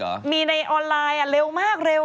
ก็มีในออนไลน์เร็วมากเร็ว